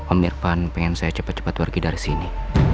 om irfan pengen saya cepat cepat pergi dari sini